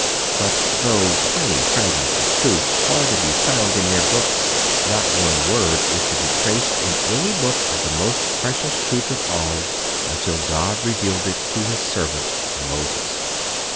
But, though tiny fragments of truth are to be found in their books, not one word is to be traced in any book of the most precious truth of all until God revealed it to His servant Moses.